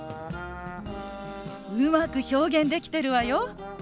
うまく表現できてるわよ！